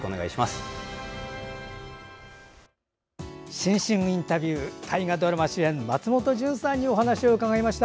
新春インタビュー大河ドラマ主演松本潤さんにお伺いしました。